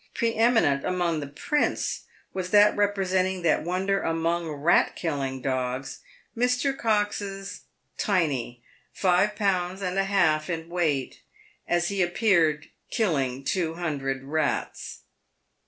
Pre eminent among the prints was that representing that wonder among rat killing dogs, Mr. Cox's Tiny, five pounds and a half in weight, " as he appeared killing two hundred rats."